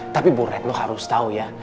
tapi bu retno harus tahu ya